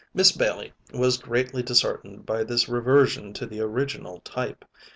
Miss Bailey was greatly disheartened by this reversion to the original type.